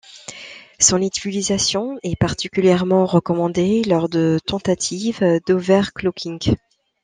Son utilisation est particulièrement recommandée lors de tentatives d'overclocking.